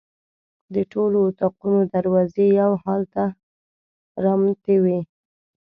د ټولو اطاقونو دروازې یو حال ته رامتې وې.